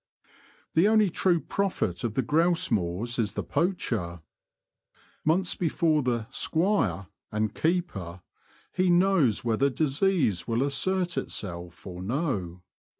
The only true prophet of the grouse moors is the poacher. Months before the ''squire" and keeper he knows whether disease will assert itself or no.